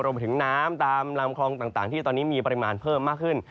รวมไปถึงน้ำตามลำคลองต่างที่ตอนนี้มีปริมาณเพิ่มมากขึ้น